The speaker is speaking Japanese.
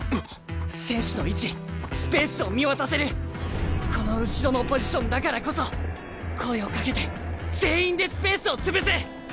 選手の位置スペースを見渡せるこの後ろのポジションだからこそ声をかけて全員でスペースを潰す！